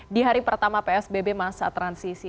di hari pertama psbb masa transisi